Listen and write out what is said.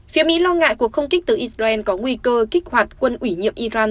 phía mỹ lo ngại cuộc không kích từ israel có nguy cơ kích hoạt quân ủy nhiệm iran